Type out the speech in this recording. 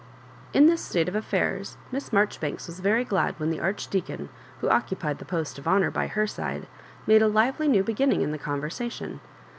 In this state of affaurs Miss Maijoribanks was very glad when the Archdeacon, who occupied the post of honour by her side, made a livelymew beginning in the conversation.